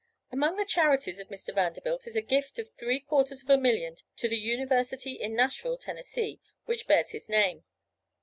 Among the charities of Mr. Vanderbilt is a gift of three quarters of a million to the University in Nashville, Tennessee, which bears his name.